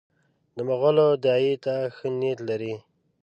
د مغولو داعیې ته ښه نیت لري.